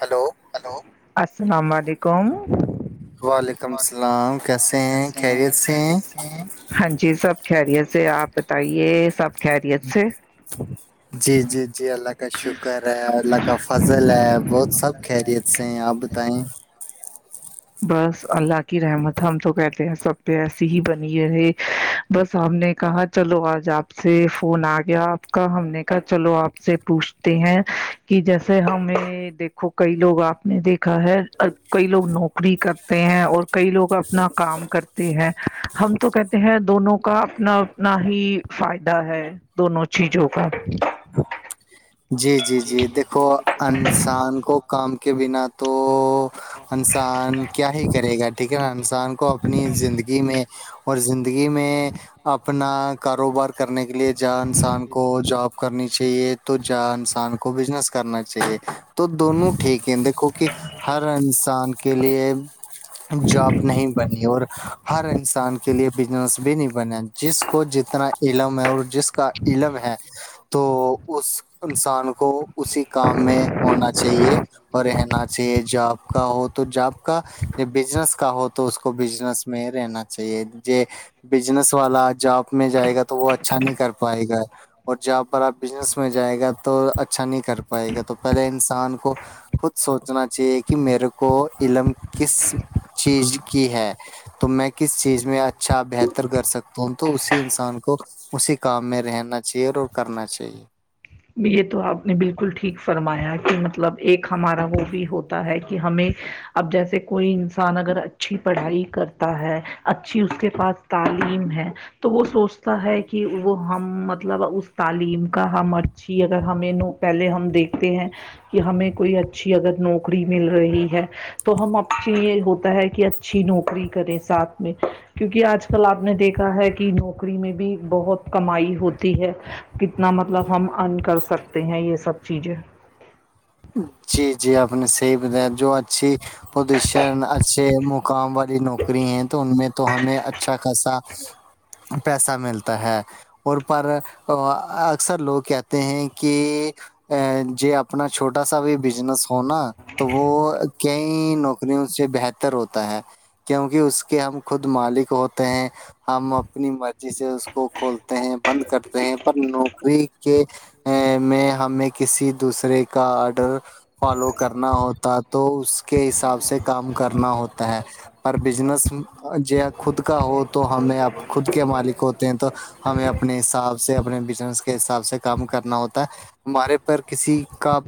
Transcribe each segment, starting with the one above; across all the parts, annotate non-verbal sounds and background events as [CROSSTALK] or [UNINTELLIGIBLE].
hello hello السلام علیکم وعلیکم السلام کیسے ہیں خیریت سے ہیں ہاں جی سب خیریت سے آپ بتائیے سب خیریت سے جی جی جی اللہ کا شکر ہے اللہ کا فضل ہے بہت سب خیریت سے ہیں آپ بتائیں بس اللہ کی رحمت ہم تو کہتے ہیں سب پہ ایسی ہی بنی رہے بس آپ نے کہا چلو آج آپ سے فون آ گیا آپ کا ہم نے کہا چلو آپ سے پوچھ ہیں کہ جیسے ہمیں دیکھو کئی لوگ آپ نے دیکھا ہے کئی لوگ نوک نکری کرتے ہیں اور کئی لوگ اپنا کام کرتے ہیں ہم تو کہتے ہیں دونوں کا اپنا نہ ہی فائدہ ہے دونوں چیزوں کا جی جی جی دیکھو انسان کو کام کے بنا تو انسان کیا ہی کرے گا ٹھیک ہے نا انسان کو اپنی زندگی میں اور زندگی میں آپ اپنا کاروبار کرنے کے لیے جاں انسان کو جاب کرنی چاہیے تو جا انسان کو بزنس کرنا چاہیے تو دونوں ٹھیک ہیں دیکھو کہ ہر انسان کے لیے جاب نہیں بنی اور ہر انسان کے لیے بزنس بھی نہیں بنا جس کو جتنا علم ہے اور جس کا علم ہے تو اس انسان کو اسی کام میں ہونا چاہیے اور رہنا چاہیے جاب کا ہو تو جاب کا جی بزنس کا ہو تو اس کو بزنس میں رہنا چاہیے جے بزنس والا جاب میں جائے گا تو وہ اچھا نہیں کر پائے گا اور جاب والا بزنس میں جائے گا تو اچھا نہیں کر پائے گا تو پہلے انسان کو خود سوچنا چاہیے کہ میرے کو علم کس چیز کی ہے تو میں کس چیز میں اچھا بہتر کر سکتا ہوں تو اسی انسان کو اسی کام میں رہنا چاہیے اور کرنا چاہیے یہ تو آپ نے بالکل ٹھیک فرمایا کہ مطلب ایک ہمارا وہ بھی ہوتا ہے کہ ہمیں اب جیسے کوئی انسان اگر اچھی پڑھائی کرتا ہے اچھی اس کے پاس تعلیم ہے تو وہ سوچتا ہے کہ وہ ہم مطلب اس تعلیم کا ہم وہی اگر ہمیں نو پہلے ہم دیکھتے ہیں کہ ہمیں کوئی اچھی اگر نوکری مل رہی ہے تو ہم اپنی یہ ہو ہے کہ اچھی نوکری کرے ساتھ میں کیونکہ آج کل آپ نے دیکھا ہے کہ نوکری میں بھی بہت کمائی ہوتی ہے کتنا مطلب ہم عرن کر سکتے ہیں یہ سب چیزیں جی جی آپ نے صحیح بتایا جو اچھی پوزیشن اچھے مقام وال نوکری ہیں تو ان میں تو ہمیں اچھا خاصا پیسہ ملتا ہے اور پر اکثر لوگ کہتے ہیں کہ مجھیں اپنا چھوٹا سا بھی بزنس ہونا تو وہ نوکریوں سے بہتر ہوتا ہے کیونکہ اس کے ہم خود مالک ہوتے ہیں ہم اپنی مرضی سے اس کو کھولتے ہیں بند کرتے ہیں پر نوکری کے اس میں ہمیں کسی دوسرے کا آرڈر فالو کرنا ہوتاہے تو اس کے حساب سے کام کرنا ہوتا ہے پر بزنس جی ہاں خود کا ہو تو ہمیں اب خود کے مالک ہو تو ہمیں اپنے حساب سے اپنے بزنس کے حساب سے کام کرنا ہوتا ہے ہمارے پر کسی کا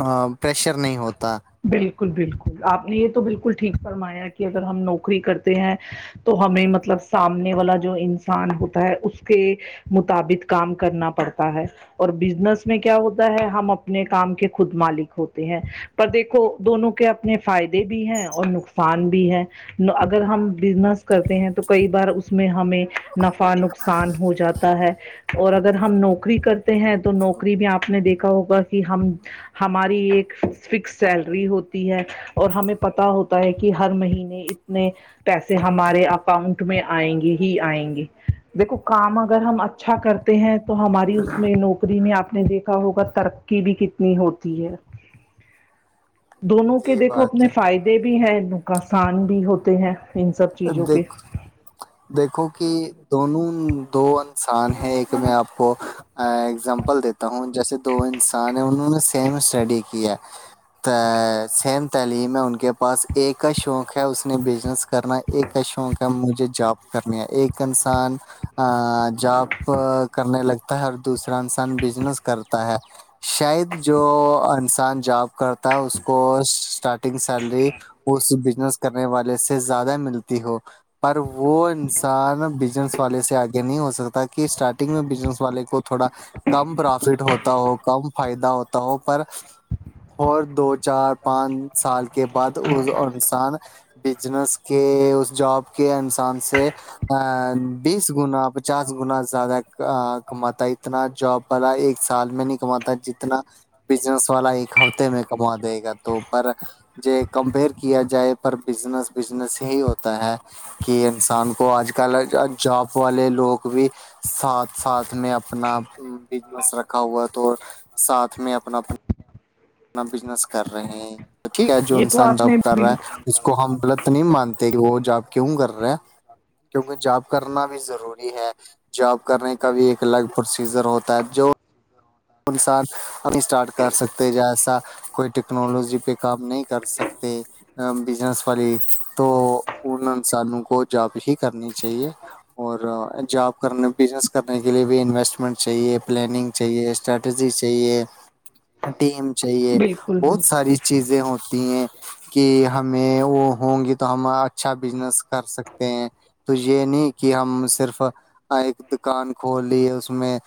ہاں [UNINTELLIGIBLE] پریشر نہیں ہوتا بالکل بالکل آپ نے یہ تو بالکل ٹھیک فرمایا کہ اگر ہم نوکری کرتے ہیں تو ہمیں مطلب سامنے والا جو انسان ہوتا ہے اس کے مطابق کام کرنا پڑتا ہے اور بزنس میں کیا ہوتا ہے ہم اپنے کام کے خود مالک ہوتے ہیں پر دیکھ و دونوں کے اپنے فائدے بھی ہیں اور نقصان بھی ہے اگر ہم بزنس کرتے ہیں تو کئی بار اس میں ہمیں نفع نقصان ہو جاتا ہے اور اگر ہم نوکری کرتے ہیں تو نوکری بھی آپ نے دیکھا ہوگا کہ ہم ہماری ایک فکس سیلری ہوتی ہے اور ہمیں پتا ہوتا ہے کہ ہر مہینے اتنے پیسے ہمارے اکاؤنٹ میں آئیں گے ہی آئیں گے دیکھو کام اگر ہم اچھا کرتے ہیں تو ہماری اس میں نوکری میں آپ نے دیکھا ہوگا ترقی بھی کتنی ہوتی ہے دونوں کے جی دیکھو بات اپنے ہے فائدے بھی ہیں نقاصان بھی ہوتے ہیں ان سب چیزوں کے دیکھ دیکھو کہ دونوں دو انسان ہیں ایک میں آپ کو اگزامپل دیتا ہوں جیسے دو انسان ہیں انہوں نے سیم اسٹڈی کیا سیم تعلیم ہے ان کے پاس ایک کا شوق ہے اس نے بزنس کرنا ایک کا شوق ہے مجھے جاب کرنی ہے ایک انسان جاب کرنے لگتا ہے اور دوسرا انسان بزنس کرتا ہے شاید جو انسان جپ کرتا اس کو اسٹارٹنگ سیلری اس بزنس کرنے والے سے زیادہ ملتی ہو پر وہ انسان بزنس والے سے آگے نہیں ہو سکتا کہ اسٹارٹنگ میں بزنس والے کو تھوڑا کم پرافٹ ہوت ہوتا ہو کم فائدہ ہوتا ہو پر اور دو چار پانچ سال کے بعد اس انسان بزنس کے اس جاب کے انسان سے ا بیس گنا پچاس گنا زیادہ کماتا ہے اتنا جاب پلا ایک سال میں نہیں کماتا جتنا بزنس والا ایک ہفتے میں کما دے گا تو پر ج کمپیئر کیا جائے پر بزنس بزنس ہی ہوتا ہے کہ انسان کو آج کل جاب والے لوگ بھی ساتھ ساتھ میں اپنا بزنس رکھا ہوا تو ساتھ میں اپنا اپنا بزنس کر رہے ہیں یک ہے جو یہ تو انسان آپ نے جاب کر رہا بالکل ہے اس کو ہم غلط نہیں مانتے کہ وہ جاب کیوں کر رہے ہیں کیونکہ جاب کرنا بھی ضروری ہے جب کرنے کا بھی ایک لائیو پروسیزر ہوتا ہے جو انسان ابھی اسٹارٹ کر سکتے ج ایسا کوئی ٹیکنالوجی پہ کام نہیں کر سکتے بزنس والی تو ان انسانوں کو جاب ہی کرنی چاہیے اور جاب کرنے بزنس کرنے کے لیے بھی انویسٹمنٹ چاہیے پلاننگ چاہیے اسٹریٹجی چاہیے ٹیم چاہیے بالکل بہت ساری چیزیں ہوتی ہیں کہ ہمیں وہ ہوں گی تو ہم اچھا بزنس کر سکتے ہیں تو یہ نہیں کہ ہم صرف آئے دکان کھول لیے اس میں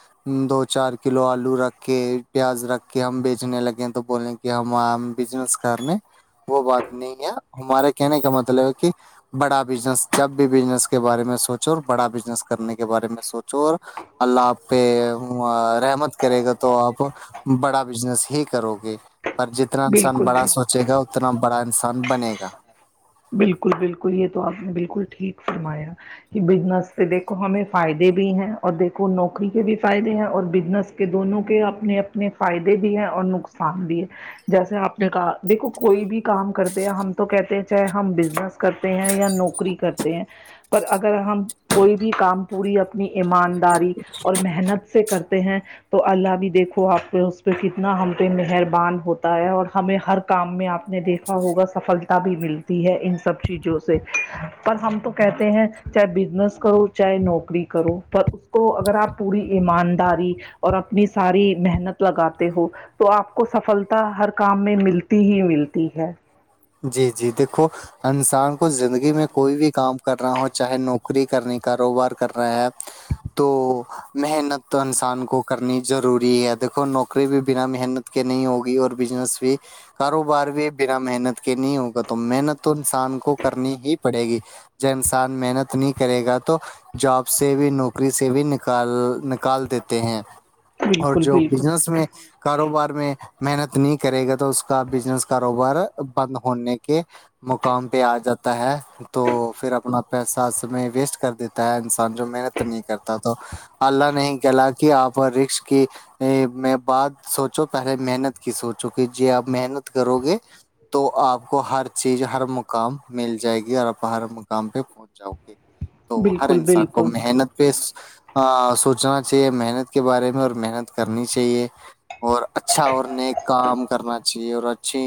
دو چار کلو آلو آلو رکھ کے پیاز رکھ کے ہم بیچنے لگے تو بولیں کہ ہم بزنس کرنے وہ بات نہیں ہے ہمارے کہنے کا مطلب ہے کہ بڑا بزنس جب بھی بزنس کے بارے میں سوچو اور بڑا بزنس کرنے کے بارے میں سوچو اور اللہ آپ پہ ا رحمت کرے گا تو آپ بڑا بزنس ہی کرو گے پر جتنا انسان بالکل بڑا بالکل سوچے گا اتنا بڑا انسان بنے گا بالکل بالکل یہ تو آپ نے بالکل ٹھیک فرمایا کہ بزنس سے دیکھو ہمیں فائدے بھی ہیں اور دیکھو نوکری کے بھی فائدے ہیں اور بزنس کہ دونوں کے اپنے اپنے فائدے بھی ہیں اور نقصان بھی ہے جیسے آپ نے کہا دیکھو کوئی بھی کام کرتے ہیں ہم تو کہتے ہیں چاہے ہم بزنس کرتے ہیں یا نوکری کر تے ہیں پر اگر ہم کوئی بھی کام پوری اپنی ایمانداری اور محنت سے کرتے ہیں تو اللہ بھی دیکھو آپ پہ اس پہ کتنا ہم پہ مہربان ہوتا ہے اور ہمیں ہر کام میں آپ نے دیکھا ہوگا سفلتا بھی ملتی ہے ان سب چیزوں سے پر ہم تو کہتے ہیں چاہے بزنس کرو چاہے نوکری کرو پر اس کو اگر آپ پوری ایمانداری اور اپنی ساری محنت لگاتے ہو تو آپ کو سفلتا ہر کام میں ملتی ہی ملتی ہے جی جی دیکھو انسان کو زندگی میں کوئی بھی کام کر رہا ہو چاہے نوکری کرنی کاروبار کر رہا ہے تو محنت تو انسان کو کرنی ضروری ہے دیکھو نوکری بھی بنا محنت کے نہیں ہوگی اور بزنس بھی کاروبار بھی بنا محنت کہ نہیں ہوگا تو محنت تو انسان کو کرنی ہی پڑے گی جو انسان محنت نہیں کرے گا تو جاب سے بھی نوکری سے بھی نکال نکال دیتے ہیں اور بالکل جو بالکل بزنس میں کاروبار میں محنت نہیں کرے گا تو اس کا بزنس کاروبار بند ہونے کے مقام پہ آ جاتا ہے تو پھر اپنا پیسہ اس میں ویسٹ کر دیتا ہے انسان جو محنت نہیں کرتا تو اللہ نہیں گلا کہ آپ اور رسک کی میں بات سوچو پہلے محنت کی سوچوں کہ جی آپ محنت کرو گے تو آپ کو ہر چیز ہر مقام مل جائے گی اور آپ ہر مقام پہن جاؤ گے تو ہر بالکل انسان کو بالکل محنت پ سوچنا چاہیے محنت کے بارے میں اور محنت کرنی چاہیے اور اچھا اور نیک کام کرنا چاہیے اور اچھی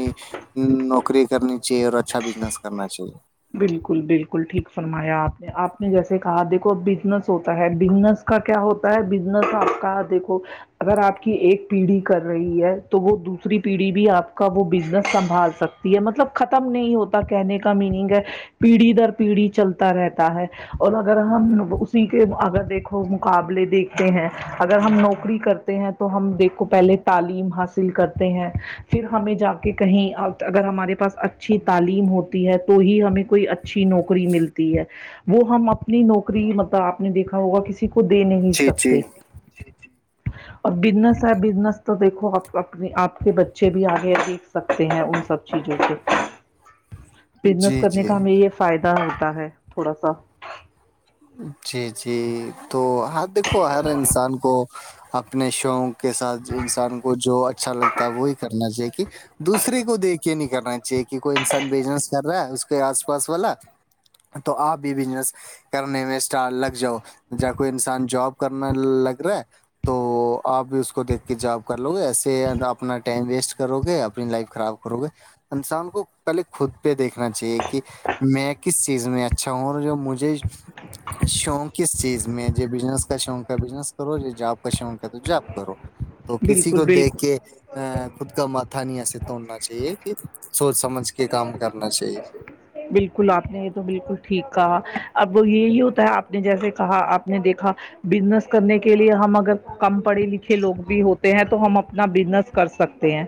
ہمم نوکری کرنی چاہیے اور اچھا بزنس کرنا چاہیے بالکل بالکل ٹھیک فرمایا آپ نے آپ نے جیسے کہا دیکھو بزنس ہوتا ہے بزنس کا کیا ہوتا ہے بزنس آپ کا دیکھو اگر آپ کی ایک پیڑھی کر رہی ہے تو وہ دوسری پیڑھی بھی آپ کا وہ بزنس سنبھال سکتا مطلب ختم نہیں ہوتا کہنے کا میننگ ہے پیڑھی در پیڑھی چلتا رہتا ہے اور اگر ہم لوگ اسی کے اگر دیکھو مقابلے دیکھتے ہیں اگر ہم نوکری کرتے ہیں تو ہم دیکھو پہلے تعلیم حاصل کرتے ہیں پھر ہمیں جا کے کہیں اگر ہمارے پاس اچھی تعلیم ہوتی ہے تو ہی ہمیں کوئی اچھی نوکری ملتی ہے وہ ہم اپنی نوکری مطلب اپ نے دیکھا ہوگا کسی کو دے نہیں جی سکتے جی اور بزنس ہے بزنس تو دیکھو اپ اپنے اپ کے بچے بھی اگے ابھی ہیں ان سب چیزوں سے بزنس جی کرنے جی کا ہمیں یہ فائدہ ہوتا ہے تھوڑا سا جی جی تو ہر دے دیکھو ہر انسان کو اپنے شوق کے ساتھ انسان کو جو اچھا لگتا ہے وہی کرنا چاہیے کہ دوسرے کو دیکھے یہ نہیں کرنا چاہیے کہ کوئی انسان بزنس کر رہا ہے اس کے اس پاس والا تو ا بھی بزنس کرنے میں اسٹار لگ جاؤ جب کوئی انسان جاب کرنا لگ رہا ہے تو اپ بھی اس کو دیکھ کے جاب کر لو گے ایسے اپنا ٹائم ویسٹ کرو گے اپنی لائف خراب کرو گے انسان کو پہلے خود پہ دیکھنا چاہیے کہ میں کس چیز میں اچھا ہوں اور جو مجھے شوق اس چیز میں مجھے بزنس کا شوق ہے بزنس کرو جاب کا شوق ہے تو جاب کرو تو کسی بالکل کو دیکھ بالکل کے ا خود کا ماتھا نہیں اسے توڑنا چاہیے کہ سوچ سمجھ کے کام کرنا چاہیے بالکل اپ نے یہ تو بالکل ٹھیک کہا اب وہ یہی ہوتا ہے اپ نے جیسے کہا اپ نے دیکھا بزنس کرنے کے لیے ہم اگر کم پڑھے لکھے لوگ بھی ہوتے ہیں تو ہم اپنا بزنس کر سکتے ہیں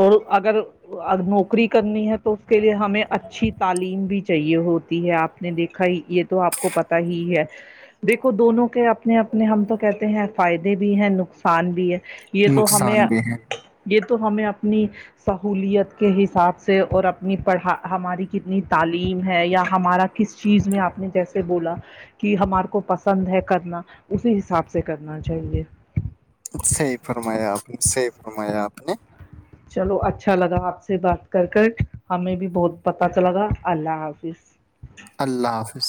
اور اگر نوکری کرنی ہے تو اس کے لیے ہمیں اچھی تعلیم بھی چاہیے ہوتی ہے اپ نے دیکھا یہ تو اپ کو پ تا ہی ہے دیکھو دونوں کے اپنے اپنے ہم تو کہتے ہیں فائدے بھی ہیں نقصان بھی ہے یہ تو ہمیں نقصان بھی ہے یہ تو ہمیں اپنی سہولیت کے حساب سے اور اپنی پڑھا ہماری کتنی تعلیم ہے یا ہمارا کس چیز میں اپ نے جیسے بولا کہ ہمار کو پسند ہے کرنا اسی حساب سے کرنا چاہیے صحیح فرمایا اپ نے صحیح فرمایا اپ نے چلو اچھا لگا اپ سے بات کر کر ہمیں بھی بہت پتا چلا اللہ حافظ اللہ حافظ